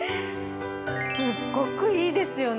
すっごくいいですよね。